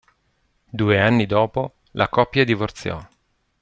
Due anni dopo, la coppia divorziò.